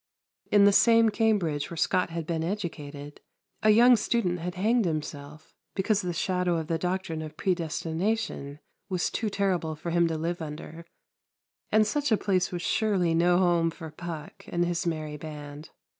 In the same Cambridge where Scot had been educated, a young student had hanged himself because the shadow of the doctrine of predestination was too terrible for him to live under; and such a place was surely no home for Puck and his merry band.